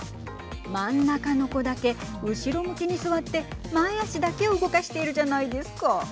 真ん中の子だけ後ろ向きに座って前足だけを動かしているじゃないですか。